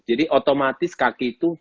jadi otomatis kaki itu